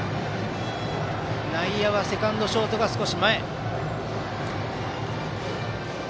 内野、セカンドとショートが少し前。